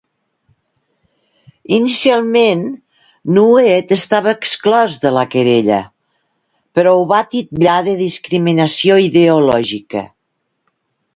Inicialment, Nuet estava exclòs de la querella, però ho va titllar de discriminació ideològica.